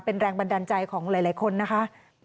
เป็นแรงบันดาลใจของหลายคนนะคะ